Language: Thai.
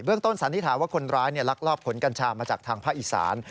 เบื้องต้นสันที่ถามว่าคนร้ายลักรอบขนกัญชามาจากทางพระอิศาล